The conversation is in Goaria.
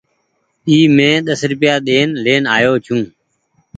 اي مين ديسو روپيا ڏين لآيو ڇون ۔